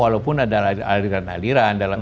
walaupun ada aliran aliran dalam